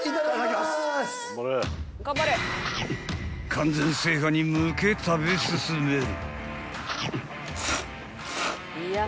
［完全制覇に向け食べ進める］